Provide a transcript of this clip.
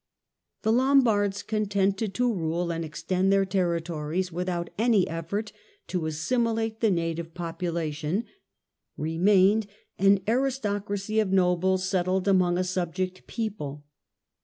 The Lombards, contented to rule and extend their territories without any effort to assimilate the native population, remained an aristocracy of nobles settled among a subject people.